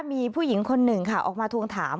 มีผู้หญิงคนหนึ่งค่ะออกมาทวงถาม